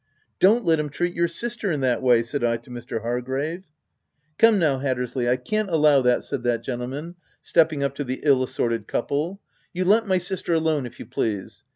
" Don't let him treat your sister in that way," said I to Mr. Hargrave. Come now, Hattersley, I can't allow that," said that gentleman, stepping up to the ill assorted couple. " You let my sister alone, if you please."